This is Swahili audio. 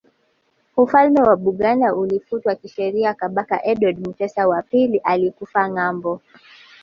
Ufalme wa Buganda ulifutwa kisheria Kabaka Edward Mutesa wa pili alikufa ngambo